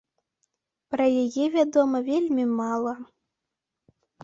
Пра яе вядома вельмі мала.